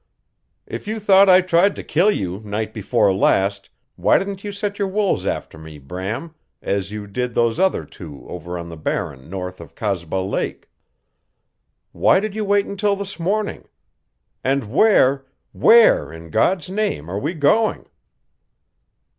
"If you thought I tried to kill you night before last why didn't you set your wolves after me, Bram as you did those other two over on the Barren north of Kasba Lake? Why did you wait until this morning? And where WHERE in God's name are we going?"